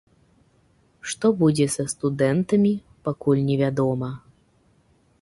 Што будзе са студэнтамі, пакуль не вядома.